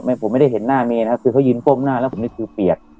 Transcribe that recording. ผมไม่ได้เห็นหน้าเมย์นะครับคือเขายืนก้มหน้าแล้วผมนี่คือเปียก